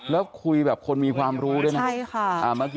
แล้วคุยแบบคนมีความรู้ด้วยนะ